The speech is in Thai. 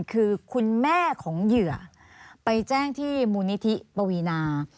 คือคุณแม่ของเหยื่อไปแจ้งที่มูลนิธิปวีนา